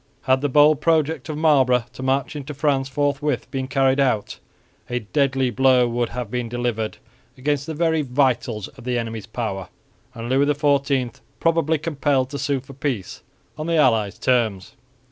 Had the bold project of Marlborough to march into France forthwith been carried out, a deadly blow would have been delivered against the very vitals of the enemy's power and Louis XIV probably compelled to sue for peace on the allies' terms.